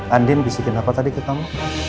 andin bisikin apa tadi ke kamu